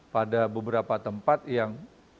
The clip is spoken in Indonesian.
pada beberapa tempat yang